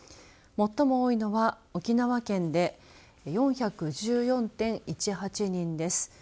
最も多いのは沖縄県で４１４．１８人です。